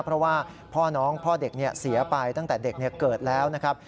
เพราะว่าพ่อน้องพ่อเด็กเสียไปตั้งแต่เด็กเกิดแล้วนะครับ